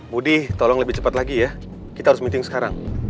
budi tolong lebih cepat lagi ya kita harus meeting sekarang